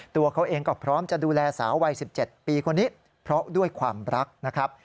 ตัวเขาเองก็พร้อมจะดูแลสาววัย๑๗ปีคนนี้เพราะด้วยความรักนะครับ